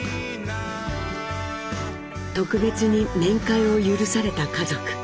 特別に面会を許された家族。